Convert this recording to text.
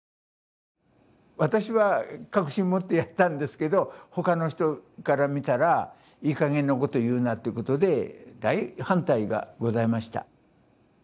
私は確信持ってやったんですけど他の人から見たらいいかげんなことを言うなってことで大反対がございました。